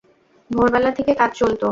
ভোরবেলা থেকে কাজ চলত।